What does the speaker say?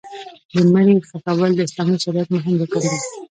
د مړي ښخول د اسلامي شریعت مهم رکن دی.